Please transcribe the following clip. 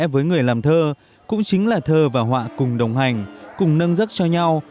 với người làm thơ cũng chính là thơ và họa cùng đồng hành cùng nâng giấc cho nhau